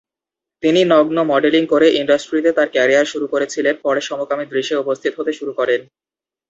তিনি নগ্ন মডেলিং করে ইন্ডাস্ট্রিতে তাঁর ক্যারিয়ার শুরু করেছিলেন, পরে সমকামী দৃশ্যে উপস্থিত হতে শুরু করেন।